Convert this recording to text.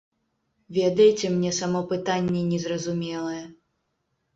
Ведаеце, мне само пытанне незразумелае.